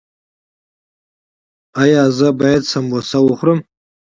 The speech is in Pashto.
ایا زه باید سموسه وخورم؟